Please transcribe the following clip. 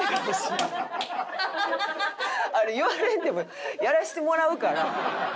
あれ言われんでもやらせてもらうから。